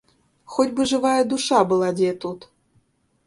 Хоць бы жывая душа была дзе тут!